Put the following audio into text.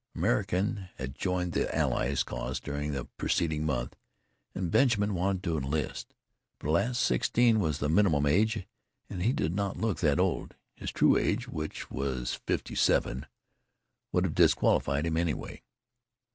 America had joined the Allied cause during the preceding month, and Benjamin wanted to enlist, but, alas, sixteen was the minimum age, and he did not look that old. His true age, which was fifty seven, would have disqualified him, anyway.